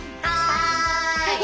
はい！